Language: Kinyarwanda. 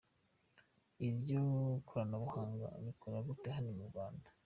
Iryo koranabuhanga rikora gute hano mu Rwanda?.